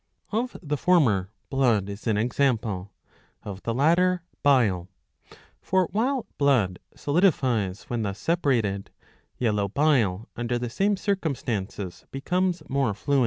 Of the former blood is an example ; of the latter bile ; for while blood solidifies when thus separated, yellow bile under the same circumstances becomes more fluid.